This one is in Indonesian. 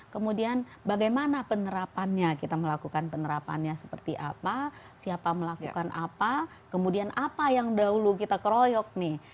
kemudian bagaimana penerapannya kita melakukan penerapannya seperti apa siapa melakukan apa kemudian apa yang dahulu kita keroyok nih